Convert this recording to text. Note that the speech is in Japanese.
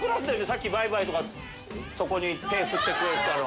さっき「バイバイ」とか手振ってくれてたの。